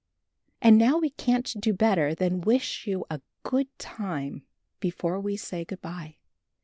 And now we can't do better than wish you a good time before we say good bye.